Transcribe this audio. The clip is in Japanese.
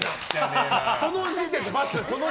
その時点で×！